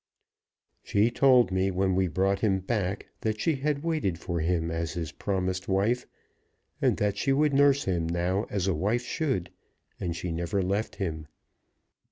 She told me when we brought him back that she had waited for him as his promised wife, and that she would nurse him now as a wife should; and she never left him.